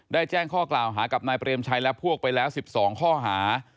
แจ้งข้อกล่าวหากับนายเปรมชัยและพวกไปแล้ว๑๒ข้อหา